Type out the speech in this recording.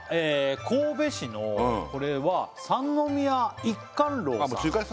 神戸市のこれは三宮一貫樓さん